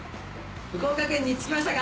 福岡県に着きましたか？